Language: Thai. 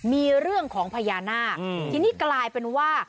มีเรื่องของพญานาคทีนี้กลายเป็นว่า